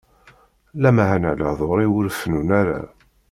Lameɛna lehduṛ-iw ur fennun ara.